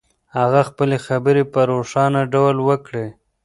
هغه خپلې خبرې په روښانه ډول وکړې.